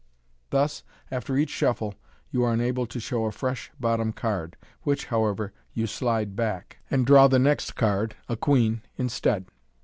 Thus after each shuffle you are enabled to show a fresh bottom card, which, however, you slide back, and draw the next card (a queen) instead.